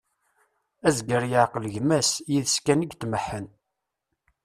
Azger yeεqel gma-s, yid-s kan i itmeḥḥen.